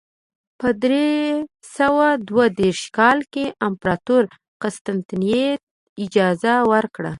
په درې سوه دوه دېرش کال کې امپراتور قسطنطین اجازه ورکړه.